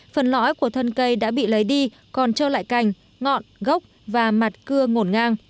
phần lõi của thân cây đã bị lấy đi còn trơ lại cành ngọn gốc và mặt cưa ngổn ngang